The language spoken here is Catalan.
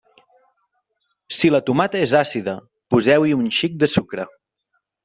Si la tomata és àcida, poseu-hi un xic de sucre.